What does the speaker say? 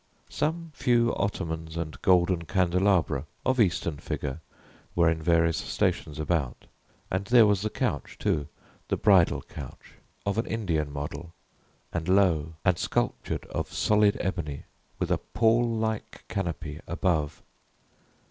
Some few ottomans and golden candelabra, of Eastern figure, were in various stations about; and there was the couch, too the bridal couch of an Indian model, and low, and sculptured of solid ebony, with a pall like canopy above.